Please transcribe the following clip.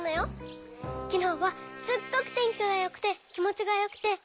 きのうはすっごくてんきがよくてきもちがよくて。